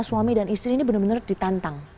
suami dan istri ini benar benar ditantang